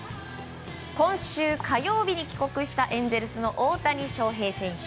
今週火曜日に帰国したエンゼルスの大谷翔平選手。